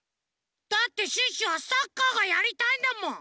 だってシュッシュはサッカーがやりたいんだもん！